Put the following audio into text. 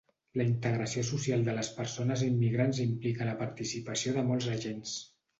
La integració social de les persones immigrants implica la participació de molts agents.